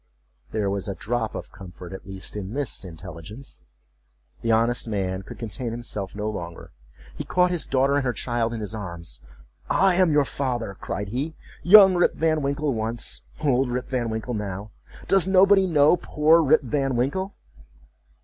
There was a drop of comfort, at least, in this intelligence. The honest man could contain himself no longer. He caught his daughter and her child in his arms. "I am your father!" cried he—"Young Rip Van Winkle once—old Rip Van Winkle now!—Does nobody know poor Rip Van Winkle?"